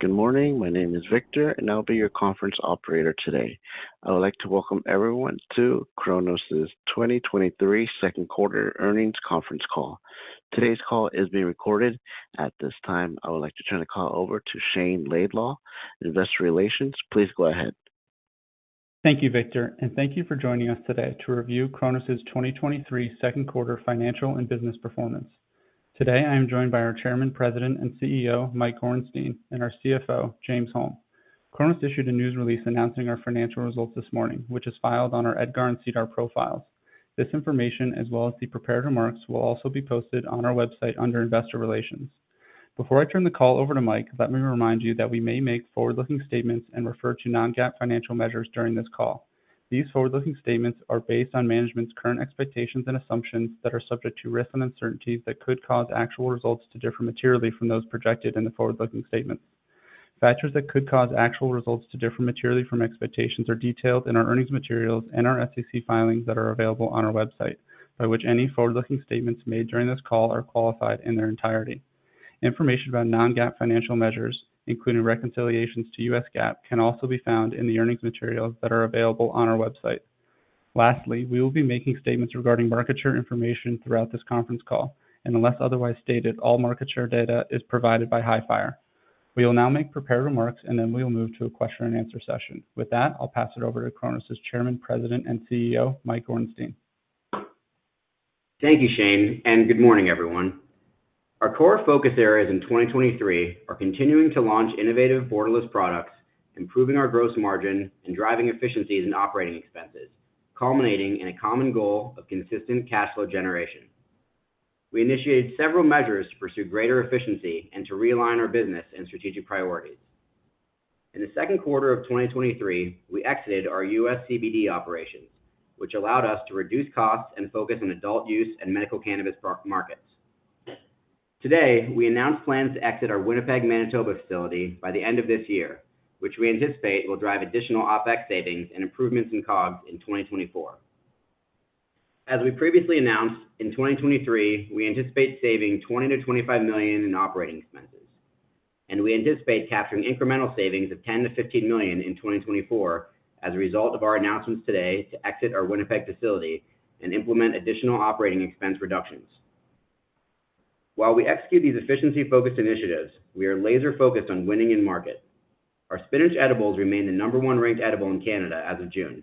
Good morning. My name is Victor, and I'll be your conference operator today. I would like to welcome everyone to Cronos' 2023 second quarter earnings conference call. Today's call is being recorded. At this time, I would like to turn the call over to Shayne Laidlaw, Investor Relations. Please go ahead. Thank you, Victor, and thank you for joining us today to review Cronos' 2023 second quarter financial and business performance. Today, I am joined by our Chairman, President, and Chief Executive Officer, Michael Gorenstein, and our Chief Financial Officer, James Holm. Cronos issued a news release announcing our financial results this morning, which is filed on our EDGAR and SEDAR profiles. This information, as well as the prepared remarks, will also be posted on our website under Investor Relations. Before I turn the call over to Mike, let me remind you that we may make forward-looking statements and refer to non-GAAP financial measures during this call. These forward-looking statements are based on management's current expectations and assumptions that are subject to risks and uncertainties that could cause actual results to differ materially from those projected in the forward-looking statements. Factors that could cause actual results to differ materially from expectations are detailed in our earnings materials and our SEC filings that are available on our website, by which any forward-looking statements made during this call are qualified in their entirety. Information about non-GAAP financial measures, including reconciliations to U.S. GAAP, can also be found in the earnings materials that are available on our website. Lastly, we will be making statements regarding market share information throughout this conference call, and unless otherwise stated, all market share data is provided by Hifyre. We will now make prepared remarks, and then we will move to a question and answer session. With that, I'll pass it over to Cronos' Chairman, President, and Chief Executive Officer, Michael Gorenstein. Thank you, Shayne. Good morning, everyone. Our core focus areas in 2023 are continuing to launch innovative borderless products, improving our gross margin, and driving efficiencies in operating expenses, culminating in a common goal of consistent cash flow generation. We initiated several measures to pursue greater efficiency and to realign our business and strategic priorities. In the second quarter of 2023, we exited our U.S. CBD operations, which allowed us to reduce costs and focus on adult-use and medical cannabis markets. Today, we announced plans to exit our Winnipeg, Manitoba facility by the end of this year, which we anticipate will drive additional OpEx savings and improvement in COGS in 2024. As we previously announced, in 2023, we anticipate saving $20 million-$25 million in operating expenses. We anticipate capturing incremental savings of $10 million-$15 million in 2024 as a result of our announcements today to exit our Winnipeg facility and implement additional operating expense reductions. While we execute these efficiency-focused initiatives, we are laser-focused on winning in market. Our Spinach edibles remain the number one-ranked edible in Canada as of June.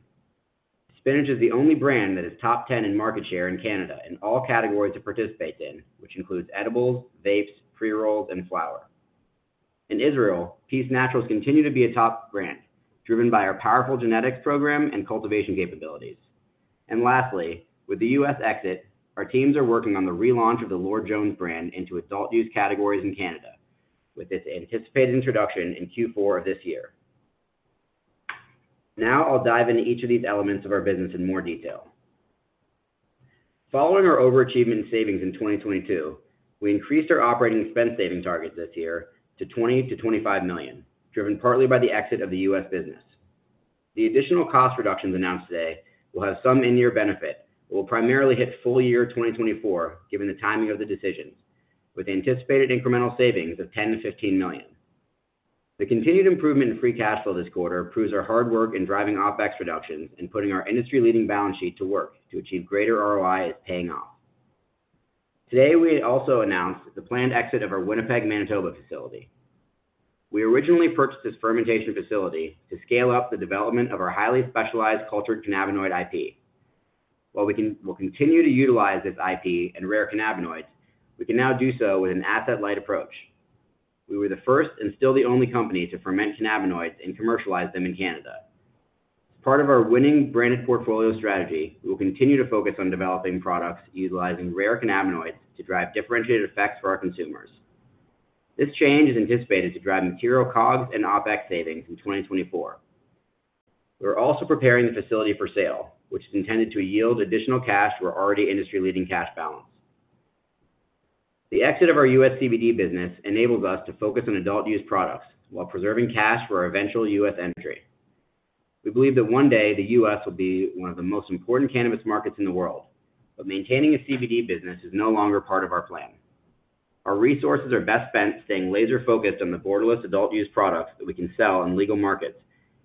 Spinach is the only brand that is top 10 in market share in Canada in all categories it participates in, which includes edibles, vapes, pre-rolls, and flower. In Israel, Peace Naturals continue to be a top brand, driven by our powerful genetics program and cultivation capabilities. Lastly, with the U.S. exit, our teams are working on the relaunch of the Lord Jones brand into adult-use categories in Canada, with its anticipated introduction in Q4 of this year. Now, I'll dive into each of these elements of our business in more detail. Following our overachievement in savings in 2022, we increased our OpEx savings targets this year to $20 million-$25 million, driven partly by the exit of the U.S. business. The additional cost reductions announced today will have some in-year benefit, but will primarily hit full year 2024, given the timing of the decisions, with anticipated incremental savings of $10 million-$15 million. The continued improvement in free cash flow this quarter proves our hard work in driving OpEx reductions and putting our industry-leading balance sheet to work to achieve greater ROI is paying off. Today, we also announced the planned exit of our Winnipeg, Manitoba facility. We originally purchased this fermentation facility to scale up the development of our highly specialized cultured cannabinoid IP. While we'll continue to utilize this IP in rare cannabinoids, we can now do so with an asset-light approach. We were the first and still the only company to ferment cannabinoids and commercialize them in Canada. As part of our winning branded portfolio strategy, we will continue to focus on developing products utilizing rare cannabinoids to drive differentiated effects for our consumers. This change is anticipated to drive material COGS and OpEx savings in 2024. We are also preparing the facility for sale, which is intended to yield additional cash to our already industry-leading cash balance. The exit of our U.S. CBD business enables us to focus on adult-use products while preserving cash for our eventual U.S. entry. We believe that one day the U.S. will be one of the most important cannabis markets in the world, but maintaining a CBD business is no longer part of our plan. Our resources are best spent staying laser-focused on the borderless adult-use products that we can sell in legal markets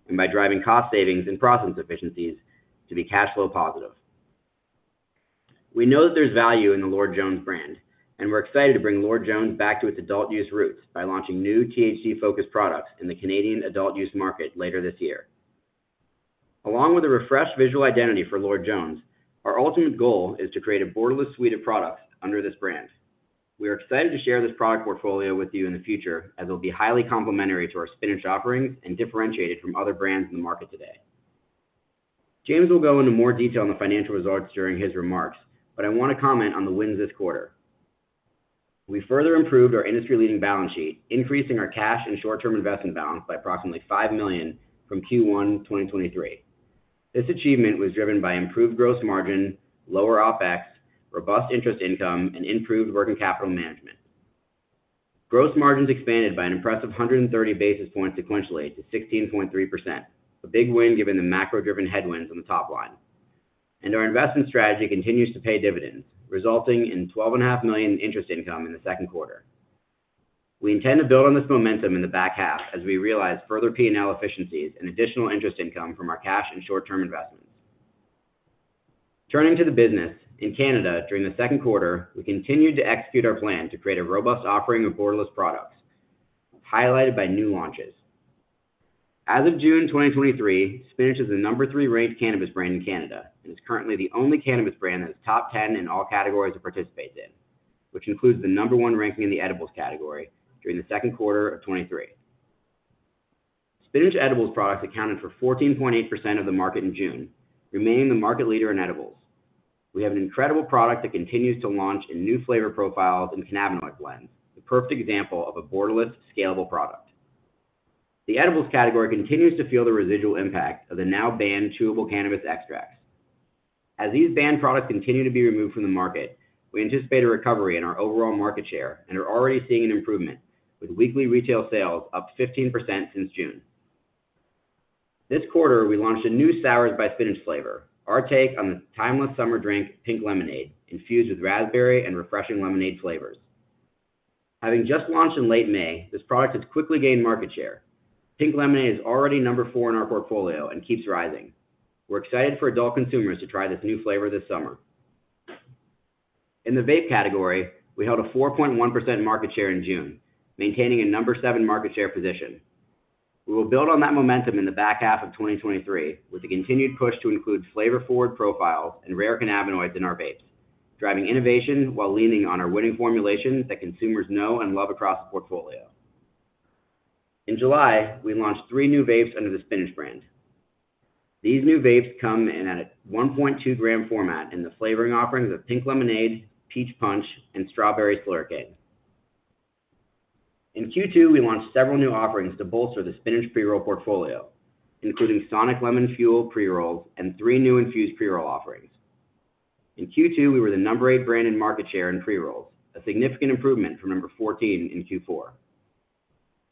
and by driving cost savings and process efficiencies to be cash flow positive. We know that there's value in the Lord Jones brand, and we're excited to bring Lord Jones back to its adult-use roots by launching new THC focused products in the Canadian adult-use market later this year. Along with a refreshed visual identity for Lord Jones, our ultimate goal is to create a borderless suite of products under this brand. We are excited to share this product portfolio with you in the future, as it'll be highly complementary to our Spinach offerings and differentiated from other brands in the market today. James will go into more detail on the financial results during his remarks. I want to comment on the wins this quarter. We further improved our industry-leading balance sheet, increasing our cash and short-term investment balance by approximately $5 million from Q1 2023. This achievement was driven by improved gross margin, lower OpEx, robust interest income, and improved working capital management. Gross margins expanded by an impressive 130 basis points sequentially to 16.3%, a big win given the macro-driven headwinds on the top line. Our investment strategy continues to pay dividends, resulting in $12.5 million interest income in the second quarter. We intend to build on this momentum in the back half as we realize further P&L efficiencies and additional interest income from our cash and short-term investments. Turning to the business, in Canada, during the second quarter, we continued to execute our plan to create a robust offering of borderless products, highlighted by new launches. As of June 2023, Spinach is the number three ranked cannabis brand in Canada, and is currently the only cannabis brand that is top 10 in all categories it participates in, which includes the number one ranking in the edibles category during the second quarter of 2023. Spinach edibles products accounted for 14.8% of the market in June, remaining the market leader in edibles. We have an incredible product that continues to launch in new flavor profiles and cannabinoid blends, the perfect example of a borderless, scalable product. The edibles category continues to feel the residual impact of the now-banned chewable cannabis extracts. As these banned products continue to be removed from the market, we anticipate a recovery in our overall market share and are already seeing an improvement, with weekly retail sales up 15% since June. This quarter, we launched a new SOURZ by Spinach flavor, our take on the timeless summer drink, Pink Lemonade, infused with raspberry and refreshing lemonade flavors. Having just launched in late May, this product has quickly gained market share. Pink Lemonade is already number four in our portfolio and keeps rising. We're excited for adult consumers to try this new flavor this summer. In the vape category, we held a 4.1% market share in June, maintaining a number seven market share position. We will build on that momentum in the back half of 2023, with a continued push to include flavor-forward profiles and rare cannabinoids in our vapes, driving innovation while leaning on our winning formulations that consumers know and love across the portfolio. In July, we launched three new vapes under the Spinach brand. These new vapes come in at a 1.2 g format, in the flavoring offerings of Pink Lemonade, Peach Punch, and Strawberry Slurricane. In Q2, we launched several new offerings to bolster the Spinach pre-roll portfolio, including Sonic Lemon Fuel pre-rolls and three new infused pre-roll offerings. In Q2, we were the number eight brand in market share in pre-rolls, a significant improvement from number 14 in Q4.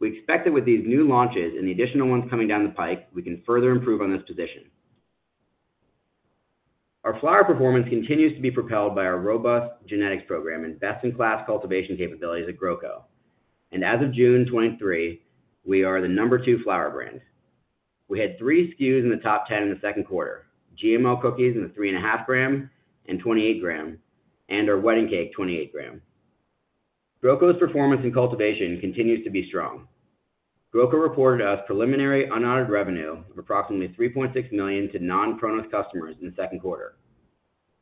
We expect that with these new launches and the additional ones coming down the pike, we can further improve on this position. Our flower performance continues to be propelled by our robust genetics program and best-in-class cultivation capabilities at GrowCo. As of June 2023, we are the number two flower brand. We had three SKUs in the top 10 in the second quarter: GMO Cookies in the 3.5 g and 28 g, and our Wedding Cake, 28 g. GrowCo's performance in cultivation continues to be strong. GrowCo reported a preliminary unaudited revenue of approximately $3.6 million to non-Cronos customers in the second quarter.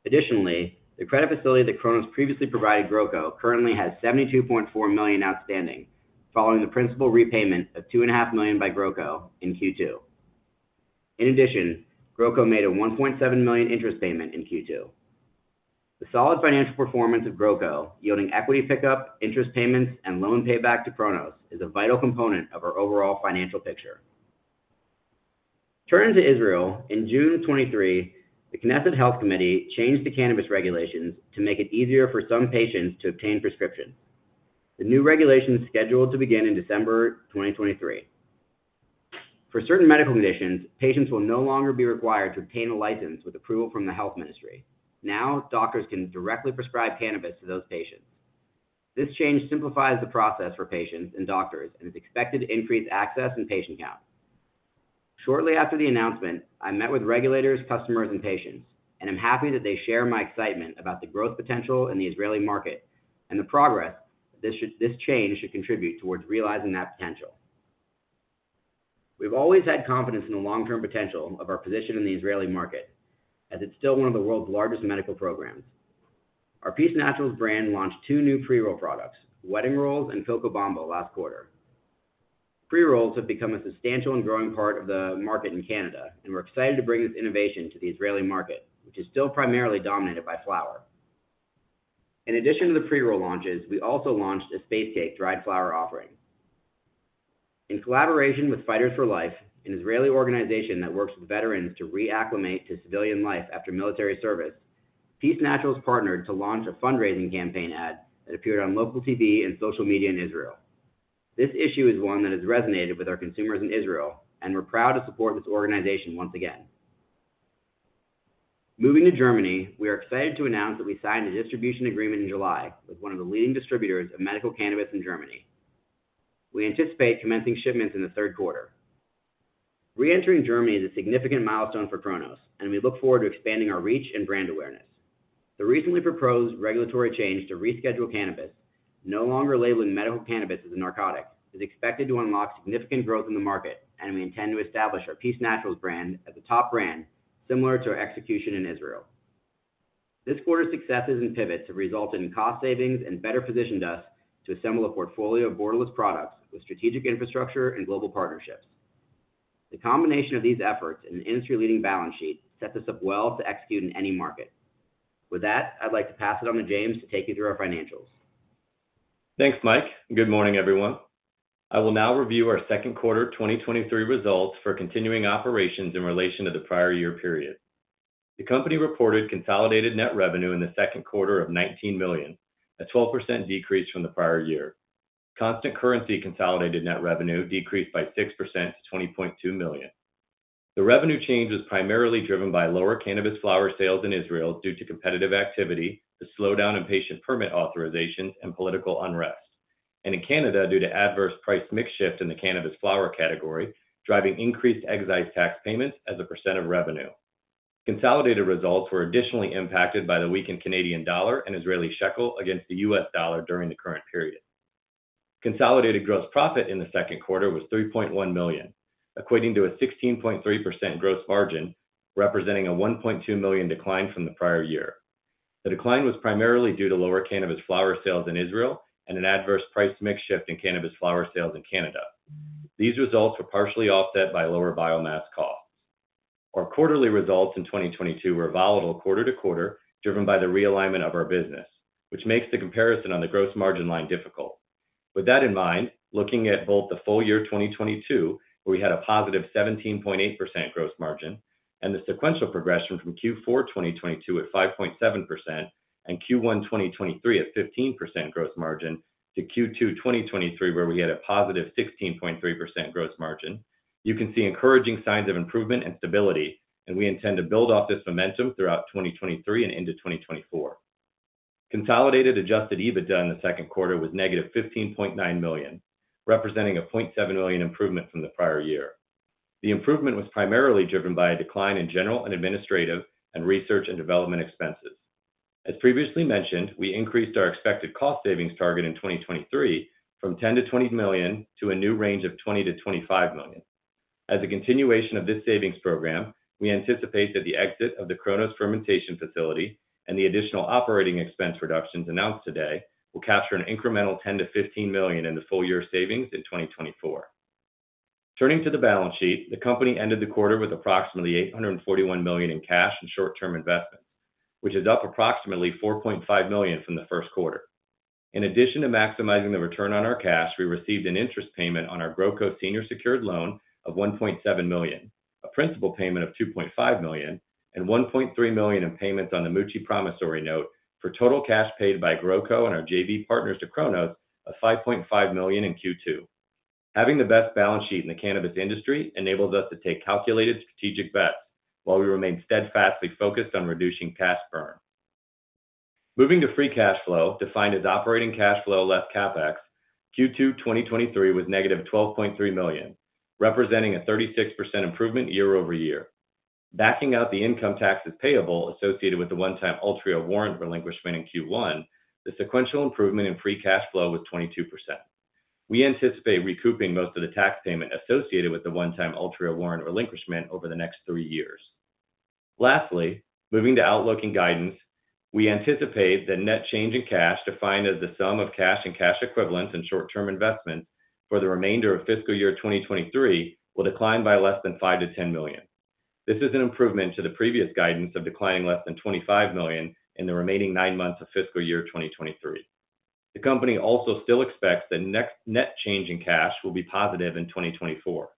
Additionally, the credit facility that Cronos previously provided GrowCo currently has $72.4 million outstanding, following the principal repayment of $2.5 million by GrowCo in Q2. In addition, GrowCo made a $1.7 million interest payment in Q2. The solid financial performance of GrowCo, yielding equity pickup, interest payments, and loan payback to Cronos, is a vital component of our overall financial picture. Turning to Israel, in June 2023, the Knesset Health Committee changed the cannabis regulations to make it easier for some patients to obtain prescriptions. The new regulation is scheduled to begin in December 2023. For certain medical conditions, patients will no longer be required to obtain a license with approval from the Ministry of Health. Doctors can directly prescribe cannabis to those patients. This change simplifies the process for patients and doctors, and is expected to increase access and patient count. Shortly after the announcement, I met with regulators, customers, and patients, and I'm happy that they share my excitement about the growth potential in the Israeli market and the progress this change should contribute towards realizing that potential. We've always had confidence in the long-term potential of our position in the Israeli market, as it's still one of the world's largest medical programs. Our Peace Naturals brand launched two new pre-roll products, Wedding Rolls and Cocoa Bomba, last quarter. Pre-rolls have become a substantial and growing part of the market in Canada. We're excited to bring this innovation to the Israeli market, which is still primarily dominated by flower. In addition to the pre-roll launches, we also launched a Space Cake dried flower offering. In collaboration with Fighters for Life, an Israeli organization that works with veterans to reacclimate to civilian life after military service, Peace Naturals partnered to launch a fundraising campaign ad that appeared on local TV and social media in Israel. This issue is one that has resonated with our consumers in Israel. We're proud to support this organization once again. Moving to Germany, we are excited to announce that we signed a distribution agreement in July with one of the leading distributors of medical cannabis in Germany. We anticipate commencing shipments in the third quarter. Reentering Germany is a significant milestone for Cronos, and we look forward to expanding our reach and brand awareness. The recently proposed regulatory change to reschedule cannabis, no longer labeling medical cannabis as a narcotic, is expected to unlock significant growth in the market, and we intend to establish our Peace Naturals brand as a top brand, similar to our execution in Israel. This quarter's successes and pivots have resulted in cost savings and better positioned us to assemble a portfolio of borderless products with strategic infrastructure and global partnerships. The combination of these efforts and an industry-leading balance sheet, sets us up well to execute in any market. With that, I'd like to pass it on to James to take you through our financials. Thanks, Mike. Good morning, everyone. I will now review our second quarter 2023 results for continuing operations in relation to the prior year period. The company reported consolidated net revenue in the second quarter of $19 million, a 12% decrease from the prior year. Constant currency consolidated net revenue decreased by 6% to $20.2 million. The revenue change was primarily driven by lower cannabis flower sales in Israel due to competitive activity, the slowdown in patient permit authorizations, and political unrest. In Canada, due to adverse price mix shift in the cannabis flower category, driving increased excise tax payments as a percent of revenue. Consolidated results were additionally impacted by the weakened Canadian dollar and Israeli shekel against the US dollar during the current period. Consolidated gross profit in the second quarter was $3.1 million, equating to a 16.3% gross margin, representing a $1.2 million decline from the prior year. The decline was primarily due to lower cannabis flower sales in Israel and an adverse price mix shift in cannabis flower sales in Canada. These results were partially offset by lower biomass costs. Our quarterly results in 2022 were volatile quarter to quarter, driven by the realignment of our business, which makes the comparison on the gross margin line difficult. With that in mind, looking at both the full year 2022, where we had a positive 17.8% gross margin, the sequential progression from Q4 2022 at 5.7% and Q1 2023 at 15% gross margin to Q2 2023, where we had a positive 16.3% gross margin, you can see encouraging signs of improvement and stability, and we intend to build off this momentum throughout 2023 and into 2024. Consolidated adjusted EBITDA in the second quarter was $-15.9 million, representing a $0.7 million improvement from the prior year. The improvement was primarily driven by a decline in general and administrative and research and development expenses. As previously mentioned, we increased our expected cost savings target in 2023 from $10 million-$20 million to a new range of $20 million-$25 million. As a continuation of this savings program, we anticipate that the exit of the Cronos fermentation facility and the additional OpEx reductions announced today will capture an incremental $10 million-$15 million in the full-year savings in 2024. Turning to the balance sheet, the company ended the quarter with approximately $841 million in cash and short-term investments, which is up approximately $4.5 million from the first quarter. In addition to maximizing the return on our cash, we received an interest payment on our GrowCo senior secured loan of $1.7 million, a principal payment of $2.5 million, and $1.3 million in payments on the Mucci promissory note for total cash paid by GrowCo and our JV partners to Cronos of $5.5 million in Q2. Having the best balance sheet in the cannabis industry enables us to take calculated, strategic bets, while we remain steadfastly focused on reducing cash burn. Moving to free cash flow, defined as operating cash flow less CapEx, Q2 2023 was -$12.3 million, representing a 36% improvement year-over-year. Backing out the income taxes payable associated with the one-time Altria warrant relinquishment in Q1, the sequential improvement in free cash flow was 22%. We anticipate recouping most of the tax payment associated with the one-time Altria warrant relinquishment over the next three years. Moving to outlook and guidance, we anticipate that net change in cash, defined as the sum of cash and cash equivalents and short-term investments for the remainder of fiscal year 2023, will decline by less than $5 million-$10 million. This is an improvement to the previous guidance of declining less than $25 million in the remaining nine months of fiscal year 2023. The company also still expects the next net change in cash will be positive in 2024.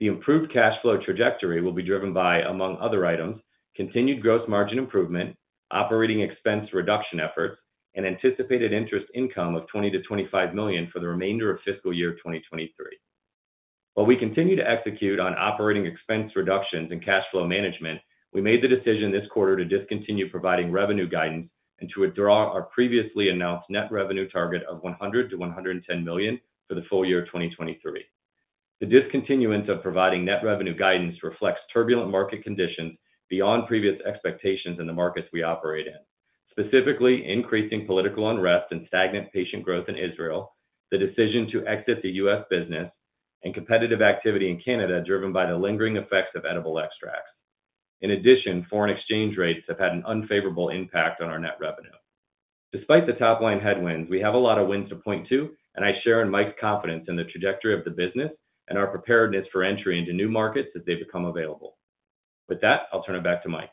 The improved cash flow trajectory will be driven by, among other items, continued gross margin improvement, operating expense reduction efforts, and anticipated interest income of $20 million-$25 million for the remainder of fiscal year 2023. While we continue to execute on operating expense reductions and cash flow management, we made the decision this quarter to discontinue providing revenue guidance and to withdraw our previously announced net revenue target of $100 million-$110 million for the full year 2023. The discontinuance of providing net revenue guidance reflects turbulent market conditions beyond previous expectations in the markets we operate in. Specifically, increasing political unrest and stagnant patient growth in Israel, the decision to exit the U.S. business, and competitive activity in Canada, driven by the lingering effects of edible extracts. In addition, foreign exchange rates have had an unfavorable impact on our net revenue. Despite the top-line headwinds, we have a lot of wins to point to, and I share in Mike's confidence in the trajectory of the business and our preparedness for entry into new markets as they become available. With that, I'll turn it back to Mike.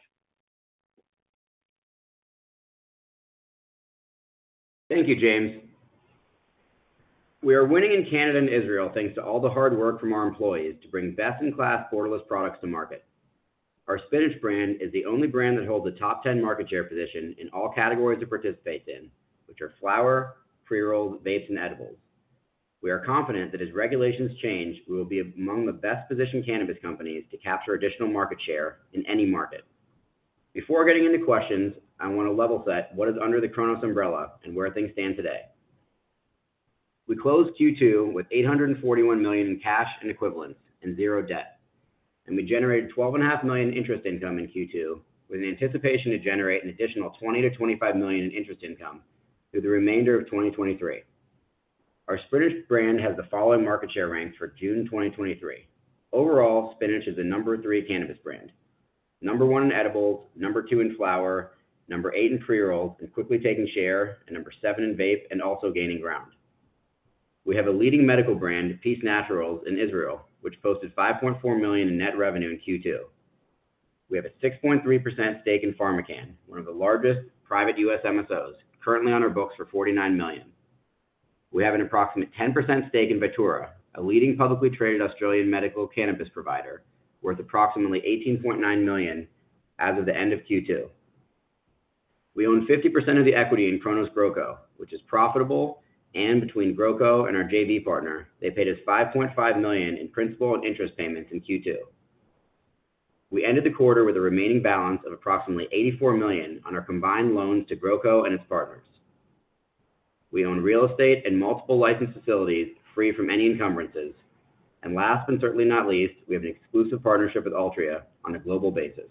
Thank you, James. We are winning in Canada and Israel, thanks to all the hard work from our employees to bring best-in-class borderless products to market. Our Spinach brand is the only brand that holds a top 10 market share position in all categories it participates in, which are flower, pre-rolled, vapes, and edibles. We are confident that as regulations change, we will be among the best-positioned cannabis companies to capture additional market share in any market. Before getting into questions, I want to level set what is under the Cronos umbrella and where things stand today. We closed Q2 with $841 million in cash and equivalents and zero debt. We generated $12.5 million in interest income in Q2, with the anticipation to generate an additional $20 million-$25 million in interest income through the remainder of 2023. Our Spinach brand has the following market share ranks for June 2023. Overall, Spinach is the number three cannabis brand. Number one in edibles, number two in flower, number eight in pre-rolled, and quickly taking share, and number seven in vape, and also gaining ground. We have a leading medical brand, Peace Naturals, in Israel, which posted $5.4 million in net revenue in Q2. We have a 6.3% stake in PharmaCann, one of the largest private U.S. MSOs, currently on our books for $49 million. We have an approximate 10% stake in Vitura, a leading publicly traded Australian medical cannabis provider, worth approximately $18.9 million as of the end of Q2. We own 50% of the equity in Cronos GrowCo, which is profitable, and between GrowCo and our JV partner, they paid us $5.5 million in principal and interest payments in Q2. We ended the quarter with a remaining balance of approximately $84 million on our combined loans to GrowCo and its partners. We own real estate and multiple licensed facilities free from any encumbrances. Last, but certainly not least, we have an exclusive partnership with Altria on a global basis.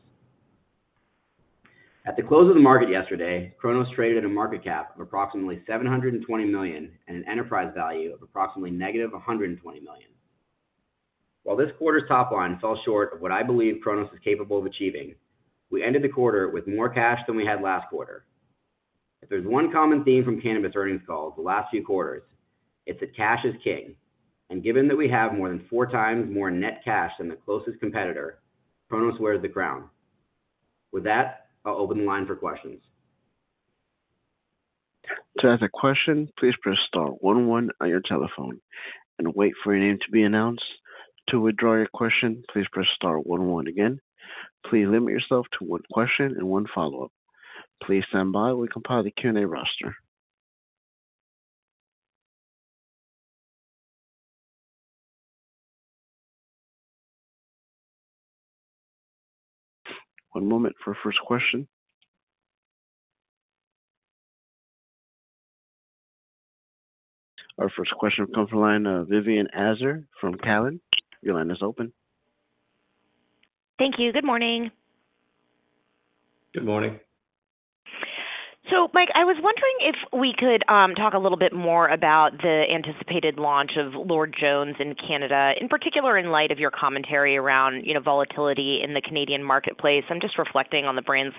At the close of the market yesterday, Cronos traded at a market cap of approximately $720 million and an enterprise value of approximately negative $120 million. While this quarter's top line fell short of what I believe Cronos is capable of achieving, we ended the quarter with more cash than we had last quarter. If there's one common theme from cannabis earnings calls the last few quarters, it's that cash is king, and given that we have more than 4 times more net cash than the closest competitor, Cronos wears the crown. With that, I'll open the line for questions. To ask a question, please press star one one on your telephone and wait for your name to be announced. To withdraw your question, please press star one one again. Please limit yourself to one question and one follow-up. Please stand by while we compile the Q&A roster. One moment for first question. Our first question comes from the line of Vivien Azer from Cowen. Your line is open. Thank you. Good morning. Good morning. Mike, I was wondering if we could talk a little bit more about the anticipated launch of Lord Jones in Canada, in particular, in light of your commentary around, you know, volatility in the Canadian marketplace? I'm just reflecting on the brand's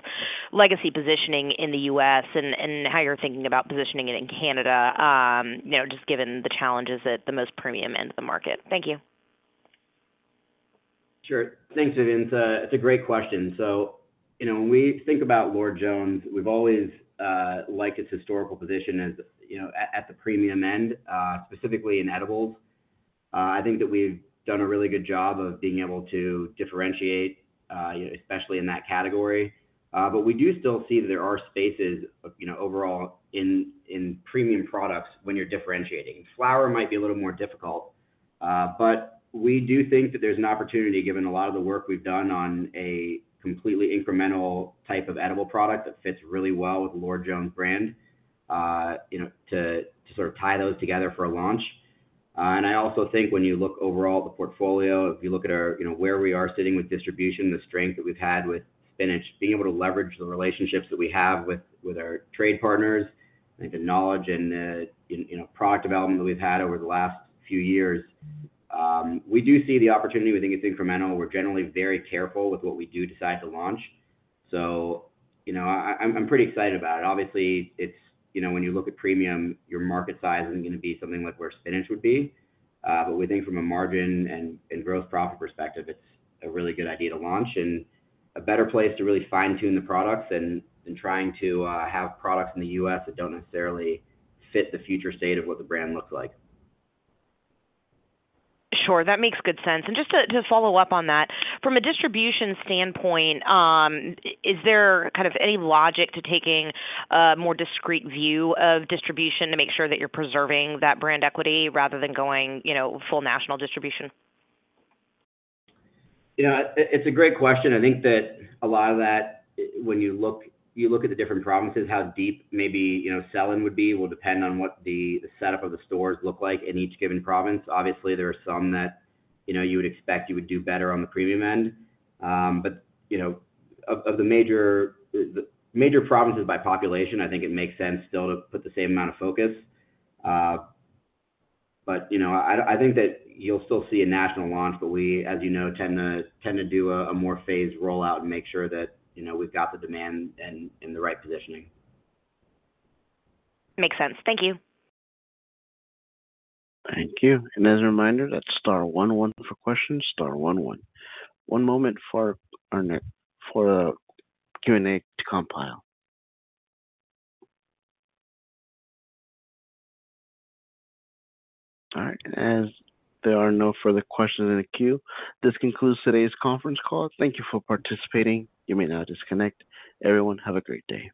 legacy positioning in the U.S. and, and how you're thinking about positioning it in Canada, you know, just given the challenges at the most premium end of the market. Thank you. Sure. Thanks, Vivien. It's a, it's a great question. You know, when we think about Lord Jones, we've always liked its historical position as, you know, at, at the premium end, specifically in edibles. I think that we've done a really good job of being able to differentiate, especially in that category. But we do still see that there are spaces, you know, overall in, in premium products when you're differentiating. Flower might be a little more difficult, but we do think that there's an opportunity, given a lot of the work we've done on a completely incremental type of edible product that fits really well with the Lord Jones brand, you know, to, to sort of tie those together for a launch. I also think when you look overall at the portfolio, if you look at our, you know, where we are sitting with distribution, the strength that we've had with Spinach, being able to leverage the relationships that we have with, with our trade partners, I think the knowledge and the, you know, product development that we've had over the last few years, we do see the opportunity. We think it's incremental. We're generally very careful with what we do decide to launch. You know, I, I'm, I'm pretty excited about it. When you look at premium, your market size isn't going to be something like where Spinach would be, but we think from a margin and, and growth profit perspective, it's a really good idea to launch and a better place to really fine-tune the products than, than trying to have products in the US that don't necessarily fit the future state of what the brand looks like. Sure, that makes good sense. Just to, to follow up on that, from a distribution standpoint, is there kind of any logic to taking a more discreet view of distribution to make sure that you're preserving that brand equity rather than going, you know, full national distribution? Yeah, it, it's a great question. I think that a lot of that, when you look, you look at the different provinces, how deep maybe, you know, selling would be, will depend on what the, the setup of the stores look like in each given province. Obviously, there are some that, you know, you would expect you would do better on the premium end. You know, of, of the major, the major provinces by population, I think it makes sense still to put the same amount of focus. You know, I, I think that you'll still see a national launch, but we, as you know, tend to, tend to do a, a more phased rollout and make sure that, you know, we've got the demand and, and the right positioning. Makes sense. Thank you. Thank you. And as a reminder, that's star one one for questions, star one one. One moment for our for the Q&A to compile. All right, as there are no further questions in the queue, this concludes today's conference call. Thank you for participating. You may now disconnect. Everyone, have a great day.